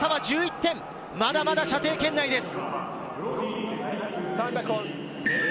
まだまだ射程圏内です。